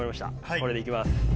これで行きます。